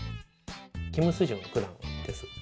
金秀俊九段です。